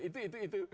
itu itu itu